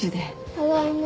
ただいま。